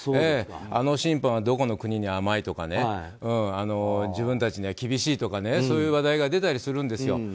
あの審判は、どこの国に甘いとか自分たちには厳しいとかいう話題が出たりするんですよ。